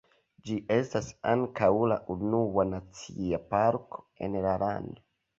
Ĝi estas ankaŭ la unua nacia parko en la lando.